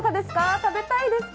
食べたいですか。